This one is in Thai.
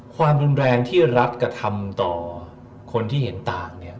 ความรุนแรงที่รัฐกระทำต่อคนที่เห็นต่างเนี่ย